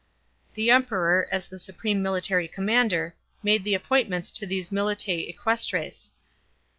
The Emperor, as the supreme military commander, made the appointments to these militix equestres.